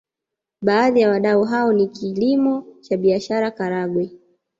Baadhi ya wadau hao ni kilimo cha biashara Karagwe